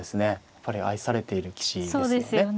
やっぱり愛されている棋士ですよね。